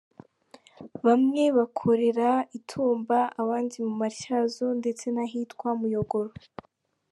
Bamwe bakorera i Tumba, abandi mu Matyazo ndetse n’ahitwa mu Muyogoro.